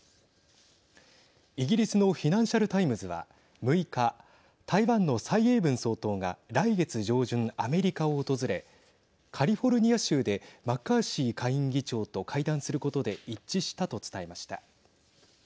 イギリスのフィナンシャル・タイムズは６日、台湾の蔡英文総統が来月上旬、アメリカを訪れカリフォルニア州でマッカーシー下院議長と会談することで一致したと伝えました。